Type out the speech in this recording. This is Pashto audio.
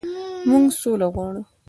موږ سوله غواړو